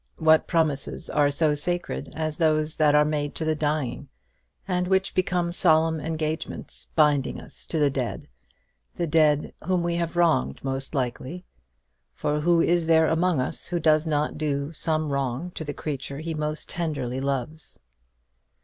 What promises are so sacred as those that are made to the dying, and which become solemn engagements binding us to the dead the dead whom we have wronged, most likely; for who is there amongst us who does not do some wrong to the creature he most tenderly loves?